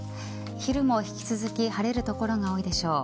昼も引き続き晴れる所が多いでしょう。